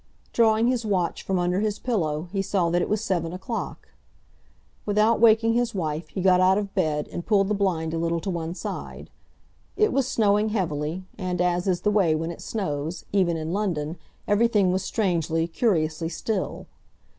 Drawing his watch from under his pillow, he saw that it was seven o'clock. Without waking his wife, he got out of bed and pulled the blind a little to one side. It was snowing heavily, and, as is the way when it snows, even in London, everything was strangely, curiously still.